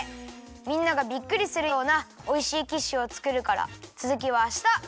みんながびっくりするようなおいしいキッシュをつくるからつづきはあした！